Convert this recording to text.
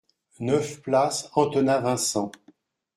neuf place Antonin Vincent